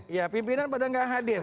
ya pimpinan pada nggak hadir